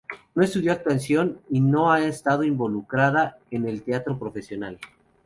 No estudió actuación y no ha estado involucrada en el teatro profesional.